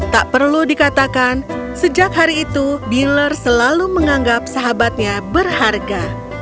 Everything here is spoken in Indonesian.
tak perlu dikatakan sejak hari itu dealer selalu menganggap sahabatnya berharga